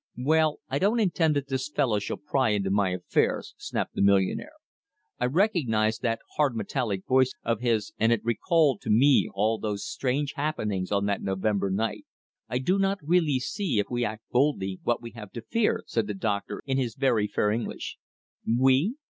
"Well, I don't intend that this fellow shall pry into my affairs," snapped the millionaire. I recognized that hard metallic voice of his, and it recalled to me all those strange happenings on that November night. "I do not really see, if we act boldly, what we have to fear," said the doctor in his very fair English. We!